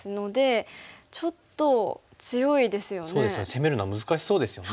攻めるのは難しそうですよね。